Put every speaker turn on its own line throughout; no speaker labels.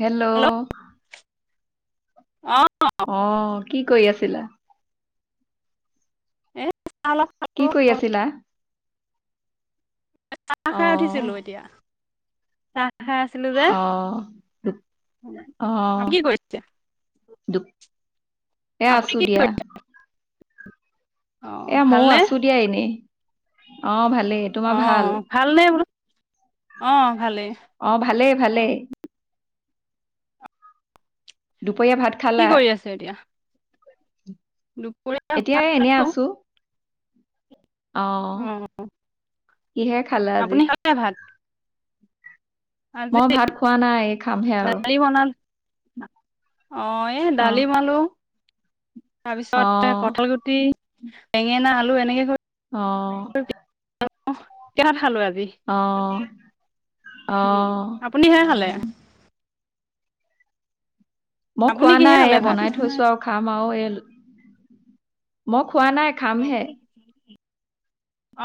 Hello.
অ'।
অ কি কৰি আছিলা?
এ চাল
কি কৰি আছিলা?
চাহ
অ
খাই উঠিছিলো এতিয়া, চাহ খাই আছিলো যে,
অ দু-
দা কি কৰিছে?
দুু [unintelligible] এ
আপুনি
আছো
কি
দিয়া
কৰি অ
এ মইও
ভালনে
আছো দিয়া এনেই। অ' ভাই
অ' ভালনে বোলো। অ ভালেই
অ', ভালেই ভালেই পয়া ভাত
কি
খালা।
কৰি আছে এতিয়া দুপৰীয়া
এতিয়া
ভাত
এনে
খালো
আছো। অ', কিহে খালে আজি?
আপুনি খালে ভাত আজি
মই ভাত খোৱা নাই, খামহে আৰু।
দালি [inaudible] অ', এই
অ
দালি বনালো। তাৰ
অ
পিছত, কঠাল গুটি বেঙেনা, আলু এনেকে কৰি
অ'
অ', [unintelligible] খালো আজি
অ'। অ
উম, আপুনি কিহে খালে?
মই
আপুনি
খোৱা
কিহে
নাই,
খালে
এ
ভাত
বনাই থৈছো আৰু খাম আৰু, এই ল মইখ খোৱা নাই, খামহে।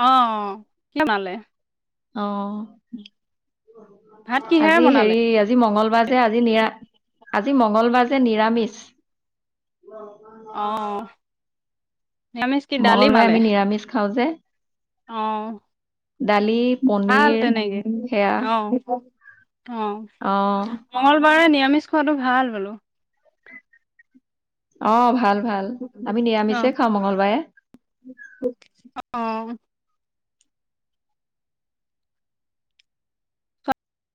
অ', [unintelligible]
অ'
ভাত কিহেৰে
আজি
বনালে?
হেৰি, আজি মঙ্গলবাৰ যে, আজি নিৰা-আজি মঙ্গলবাৰ যে যে নিৰামিষ।
অ'। নিৰামিষ কি
মঙ্গলবাৰে আমি নিৰামিষ খাওঁ যে।
অহ',
দালি
ভাল
পনীৰ
তেনেকে
সেয়া
অ'। অ' মঙ্গলবাৰে নিয়ম নিৰামিষ খোৱাটো ভাল বাৰু।
অ', ভাল। ভাল, আমি নিৰামিষে খাওঁ মংগলবাৰে। [inaudible]
আহ'।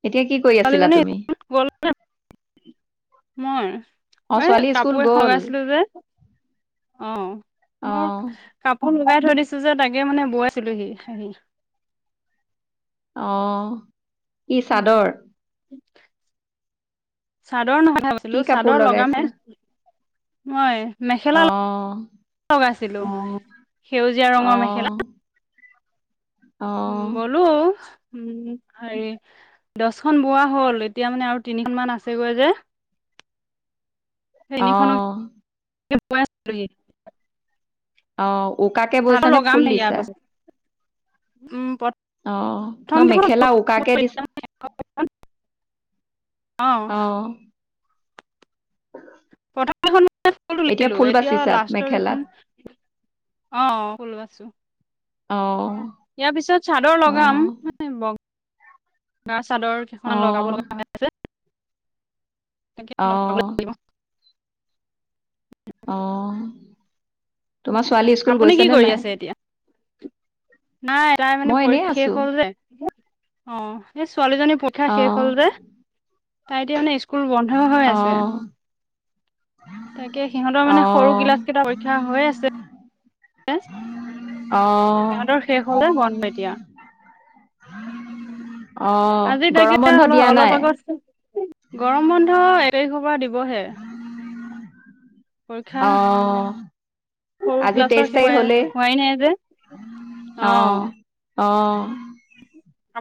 এতিয়া কি কৰি আছিলা
ছোৱালীজনী
তুমি
[unintelligible] মই
অ
এ
ছোৱালী স্কুল
কাপোৰ এখন
গ'ল
লগাইছিলো যে অ',
অ
মোৰ কাপোৰ লগাই থৈ দিছো যে তাকে মানে বোৱাই আছিলোহি আহি
অ'। কি চাদৰ?
চ চাদৰ নহয় ভাবিছিলো
কি কাপোৰ
চাদৰ লগামে
লগাইছে
হে। মই?
অ'।
ছিলো অ' সেউজীয়া
অ
ৰঙৰ মেখেলা
অ
উম', বলো। উম হেৰি দহখন বোৱা হ'ল এতিয়া মানে আৰু তিনিখনমানান আছেগৈ যে
আহ'।
প
অ'। উকাকে বৈছা নে ফুল
ইয়াৰ
দিছা?
পাছত উম প্ৰথম
আহ, ন
কেইখন
মেখেলা উকাকে দিছ
অ
আ'। এতিয়া ফুল বাচিছা মেখেলাত
[unintelligible]
অ'।
ইয়াৰ পিছত চাদৰ
অ
লগাম নচ চাদৰ
অ
কেইখন লগাব লগা হৈ আছে। লগাব
আহ'।
লাগিব
আহ'।
আপুনি কি কৰি
নাই
আছে এতিয়া নাই তাই মানে
মই এনেই
পৰীক্ষা শেষ
আছো
হল যে অ এই ছোৱালীজনীৰ পৰীক্ষা
অ
শেষ হল যে তাই এতিয়া মানে স্কুল বন্ধ হৈ
অ
আছে। তাকে সিহঁতৰ
অ
মানে সৰু ক্লাছ কেইটা পৰীক্ষা হৈ আছে
অ
সিহঁতৰ শেষ হলে বন্ধ এতিয়া।
অ
আজি তাকে
গৰম বন্ধ
অল
দিয়া
অলপ
নাই
আগত গৰম বন্ধ এইতাৰিখৰ পৰা দিবহে। পৰীক্ষা
অ
সৰু
আজি তেইশ
ক্লাছৰ শেষ
তাৰিখ হলেই
হোৱা-হোৱাই নাই যে।
অ'। অ'।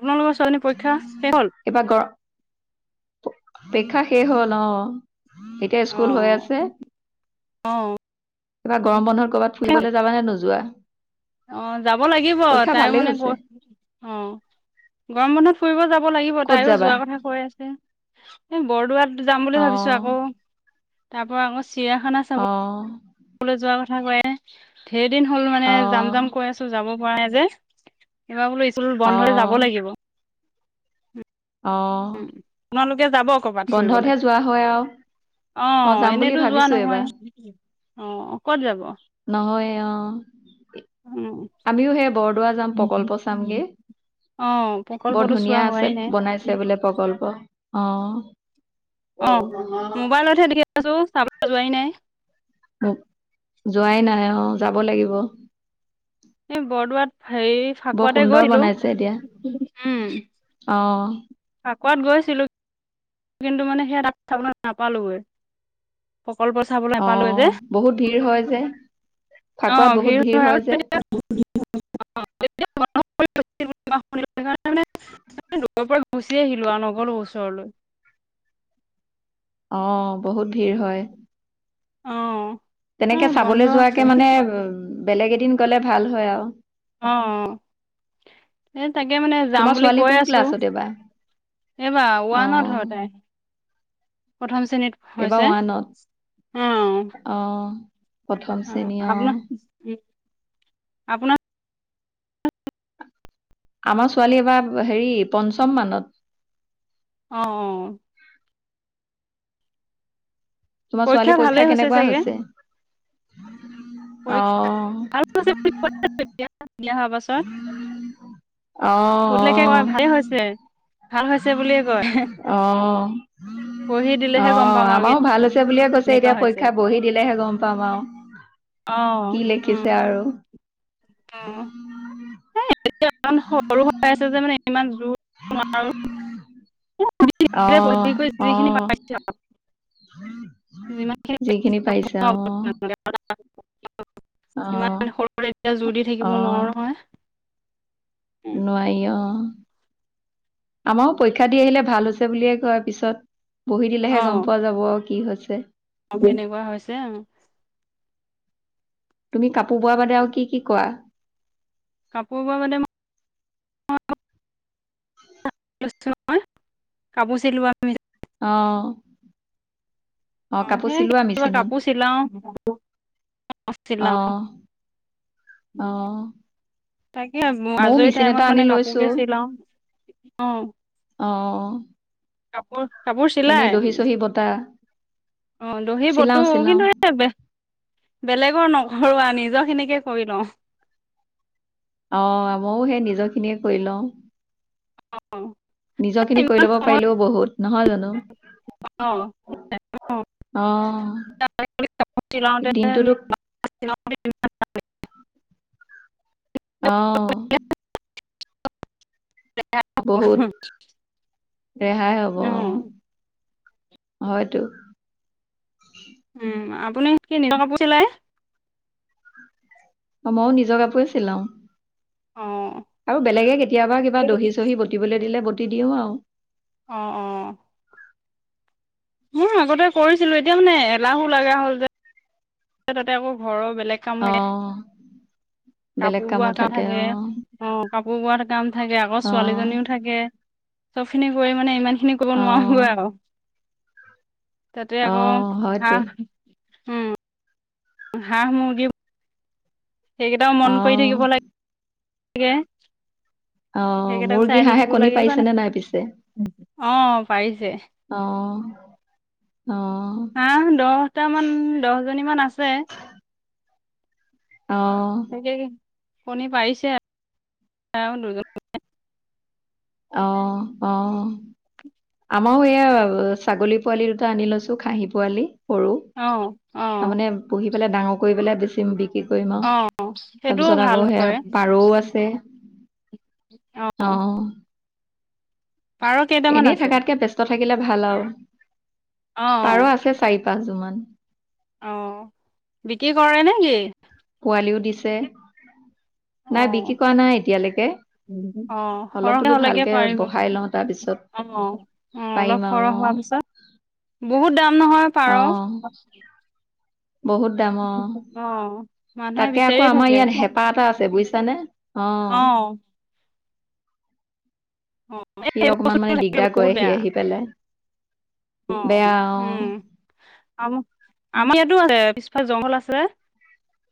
আপোনালোকৰ ছোৱালজনীৰ পৰীক্ষা শেষ হ'ল।
প-পৰীক্ষা শেষ হ'ল অ'। এতিয়া
অ
স্কুল হৈ আছে
অ
এইবাৰ গৰম বন্ধত কৰ'বাত ফুৰিবলৈ যাবা নে নোযোৱা।
অ', যাব লাগিব
পৰীক্ষা
তাই
ভালেই
মানে
হৈছে
কৈ অ', গৰম বন্ধত ফুৰিব যাব লাগিব
ক'ত
তাইও
যাবা
যোৱা কথা কৈ আছে। এই বৰদোৱাত যাম বুলি
অ
ভাবিছো আকৌ। তাৰ পৰা
অ'
স্কলৈ যোৱা কথা কয়। ধেৰদিন হ'ল মানে যাম জাম
অ',
কৈ আছো যাব পৰা নাই যে এইবাৰ বোলো স্কুল বন্ধ হৈ যাব
অ',
লাগিব।
অ'।
কে যাব কৰ'বাত ফুৰিবলে
বন্ধতহে যোৱা হয় আৰু
অ',
যাম বুলি
এনেতো যোৱা
ভাবিছো এইবাৰ
নহয় অ', ক'ত যাব
নহয় অ',
উ।
আমিও হে বৰ দুৱাৰ যাম প্ৰকল্প চামগে
অ'
বৰ
প্ৰকল্পটো
ধুনীয়া
চোৱা
আছে
হোৱাই নাই
বনাইছে বোলে প্ৰকল্প। অ'।
অ', মোবাইলতহে দেখি আছো চাব যোৱাই নাই।
যোৱাই নাই অ', যাব লাগিব।
এই বৰদোৱাত হেই
বৰ
ফাকুৱাতে
সুন্দৰ
গৈছিলোঁ
বনাইছে এতিয়া
উম।
অ',
ফাকোৱাত গৈছিলো। কিন্তু মানে সেয়া ডাব নাপালৈ। প্ৰকল্প চাবলৈ নাপালো যে
অ', বহুত ভিৰ হয় যে ফাকুৱাত
অ',
বহুত
ভিৰ হয় আৰু
যে
[unintelligible] শুনিলো সেইকাৰে মানে দূৰৰ পৰা গুচি আহিলো আৰু নগলো ওচৰলৈ।
অ' বহুত ভিৰ হয়।
অ'। এ
তেনেকে
বন্ধ
চাবলৈ
অ'
যোৱাকে মানে উ বেলেগ দিন গলে ভাল হয় আৰু।
অ', এই তাকে মানে যাম
তোমাৰ
বুলি
ছোৱালী
কৈ
কোন
আছোঁ
ক্লাছত এইবাৰ
এইবাৰ ওৱানত
অ',
হয় তাই। প্ৰথম সেনিতী
এইবাৰ
হৈছে
ওৱানত
অ',
প্ৰথম
অ
শ্ৰেণী
আপোনাৰ উ আপোনাৰ
আমাৰ ছোৱালী এবাৰ হেৰি পঞ্চম মানত।
অ', অ'।
তোমাৰ ছোৱালী পৰীক্ষা কেনেকুৱা হৈছে? [inaudible] অ
পৰীক্ষা [unintelligible] দিয়া হোৱাৰ পাছত
অ
কোনলৈকে কয় ভালেই হৈছে। ভাল হৈছে বুলিয়ে কয়
অ অ
বহি
অ
দিলেহে গম পাম আৰু
[unintelligible] বুলিয়ে কৈছে,
কেনেকুৱা
এতিয়া
হৈছে
পৰীক্ষা বহি দিলেহে গম পাম আৰু
অ
কি
উম
লিখিছে আৰু।
এতিয়া [unintelligible] সৰু হৈ আছে যে মানে ইমান জো
অ অ যিখিনি পাৰিছে অ
[unintelligible] [unintelligible]
অ
ইমান সৰুতে এতিয়া জোৰ দি
অ
থাকিব নোৱাৰো নহয়।
নোৱাৰি অঁ। আমাৰো পৰীক্ষা দি আহিলে ভাল হৈছে বুলিয়ে কয় পিছত বহি দিলেহে গম পোৱা যাব কি হৈছ ছে।
অঁ কেনেকুৱা হৈছে
তুমি কা পো বোৱা বাদে আৰু কি-কি কৰা।
কাপোৰ বোৱা বাদে মই [unintelligible] কাপোৰ চিলোৱা [unintelligible]
অঁ।
অঁ সেইয়া কেতিয়াবা কাপোৰ চিলাও [unintelligible]
অ
চিলাও,
অ
তাকে
ময়ো
আজৰি
মেচিন এটা
টাইমত
আনি
মানে
লৈছো
কাপোৰকে চিলাও, অ'।
অ
কাপোৰ কাপোৰ
এনেই
চিলাই,
দহি চহি বতা
অ' দহি
চিলাও
বতু,
চিলাও
কিন্তু এই বেলেগৰ নকৰো আ নি নিজৰ খিনিকে কৰি লওঁ।
অঁ মইও সেই নিজৰ খিনিয়ে কৰি লওঁ।
অঁ,
নিজৰ খিনি
এই
কৰি
ইমান
ল'ব
সময়
পাৰিলেও বহুত নহয় জানো
[unintelligible]
অ দিনটোতো
[unintelligible]
অঁ। বহুত ৰেহাই হ'ব,
উম,
অঁ। হয়তো।
উম, আপুনি কি নিজৰ কাপোৰ চিলাই।
অঁ ময়ো নিজৰ কাপোৰে চিলাও। আৰু বেলেগে কেতিয়াবা কিবা দহি
অ'।
চহি বতিবলৈ দিলে ব তি দিও আৰু।
অ'-অ'। মই আগতে কৰিছিলো এতিয়া মানে এলাহো লগা হ'ল যে এ তাতে আকৌ ঘৰৰ বেলেগ কাম
অ
থাকে,
বেলেগ
কাপোৰ বোৱা
কামো
কাম থাকে
অ
অঁ কাপোৰ বোৱাৰ কাম থাকে আকৌ ছোৱালীজনীও
অ
থাকে। চব খিনি কৰি মানে ইমান খিনি কৰিব
অ
নোৱাৰোগৈ আৰু। তাতে
অ
আকৌ হা
হয়তো
হাহ, মূৰ্গীবোৰ সেইকেইটাও মন কৰি
অ
থাকিব লাগে। তাকে।
অ
সেইকেইটাক
মুৰ্গী
চাই
হাঁহে
থাকিব
কণী
লাগে মানে
পাৰিছেনে নাই পিছে
অ'হ পাৰিছে।
অ অ
হাহ দহটামান, দহ জনী মান আছে।
অ'।
তাকে কণী পাৰিছে দুজন
অ অ আমাৰো এয়া ছাগলী পোৱালি দুটা আনি লৈছো খাহী পোৱালি সৰু
অ অ
তাৰ মানে পঢ়ি বেলোৰ কৰি পেলাই বেছিম বিক্ৰী কৰিম আৰু
অ সেইটোও
তাৰপিছত
ভাল
আকৌ সেয়া
হয়
পাৰও আছে অ
পাৰ কেইটামান
এনেই
আছে
থকাতকে ব্যস্ত থাকিলে ভাল আৰু
অ অ
পাৰ আছে চাৰি পাঁচ যোৰ মান
অ বিক্ৰী কৰে নেকি
পোৱালিও দিছে নাই বিক্ৰী
আহ
কৰা নাই এতিয়ালৈকে
আহ
অলপ
সৰহ
বোলো
হলেকে
ভালকে
পাৰিব
বহাই লওঁ তাৰপিছত
অ অ
পাৰিম
অলপ
আৰু
সৰহ হোৱাৰ
অ
পিছত বহুত দাম নহয়
অ
পাৰ
বহুত দামৰ
মানুহে
তাকে আকৌ
বিচাৰিয়ে
আমাৰ
থাকে
ইয়াত হেঁপাহ এটা আছে বুজিছানে অ
অ
সি
এই
অকমান
বস্তুটো
মানে
থাকিলে
দিগদাৰ
বহুত
কৰেহি
বেয়া
আহি পেলাই
অ
বেয়া অ
উম আৰু আমাৰ ইয়াতো আছে পিছফাল জংঘল আছে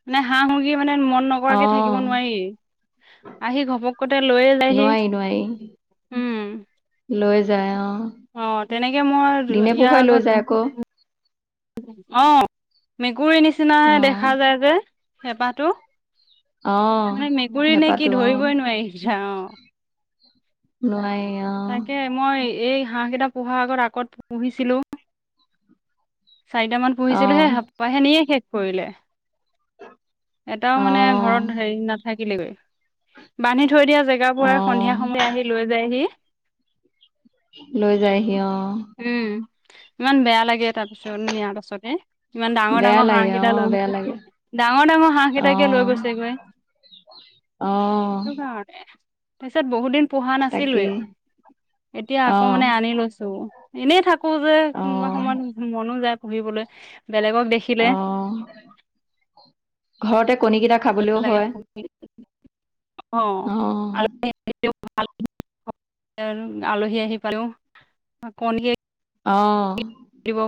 মানে হাঁহ মুুৰ্গী মানে মন
অ
নকৰাকে থাকিব নোৱাৰি, আহি ঘপককতে লৈয়ে যায়হি
নোৱাৰি নোৱাৰি
উম।
লৈ যায় অ'
অ তেনেকে মই
দিনে
ইয়াৰ
পোহৰে লৈ যায় আকৌ
আগত অ, মেকুৰীয়ে নি নিচিনাহে
অ
দেখা যায় যে। হেপাটো।
অ
মানে মেকুৰী নে
হেঁপাহটো
কি
অ
ধৰিবই নোৱাৰিছা অ'।
নোৱাৰি অ
তাকে মই এই হাঁহ কেইটা পোহাৰ আগত আগত পুহিছিলো। চাৰিটা মান পুহিছিলো হে
অ
হেপাইহে নিয়ে শেষ কৰিলে। এটাও
অ
মানে ঘৰত হেৰি নাথাকে। দিলেগৈ বান্ধি থৈ দিয়া জেগা বোৰ
অ
সন্ধিয়া সময়ে আহি লৈ যায়হি।
লৈ যায়হি অ'।
উম, ইমান বেয়া লাগে তাৰ পিছত নিয়াৰ পাছতে ইমান
বেয়া
ডাঙৰ-ডাঙৰ হাঁহ
লাগে অ
কেইটা লৈ
বেয়া
গৈছে।
লাগে
ডাঙৰ-ডাঙৰ হাঁহ
অ
কেইটাকে লৈ গৈছে গৈ
অ
সেইটো কাৰণে তাৰপিছত বহুত দিন পোহা নাছিলোৱে।
তাকেই
এতিয়া
অ
আকৌ মানে আনি লৈছোঁ। এনে থাকোঁ [unintelligible] যে কোনোবা
অ
সময়ত
অ
মনো যায় পঢ়িবলে বেলেগক দেখিলে
ঘৰতে কণীকেইটা খাবলৈও হয় অ',
[inaudible] আলহী আহি পালেও কণী
অ'
দিবও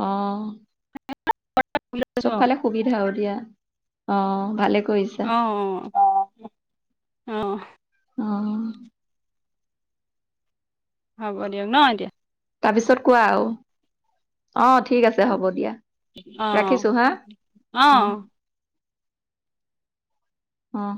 অ'
কৈছো
চবফালে সুবিধা অ, দিয়া। অ, ভালে কৰিছা
অ', অ', অ', অ',
অ',
হ'ব দিয়ক ন' এতিয়া
তাৰপিছত কোৱা আৰু অ, ঠিক আছে হ'ব দিয়া
অ
ৰাখিছোঁ হা অ, অহ